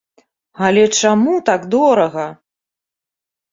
Але чаму так дорага?!